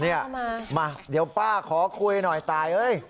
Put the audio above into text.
นี่มาเดี๋ยวป๊าขอคุยหน่อยตาย